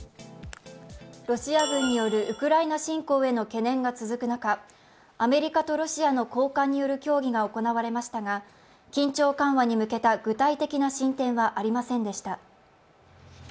ロシア軍によるウクライナ侵攻への懸念が続く中アメリカとロシアの高官による協議が行われましたが緊張緩和に向けた具体的な進展はありませんでした。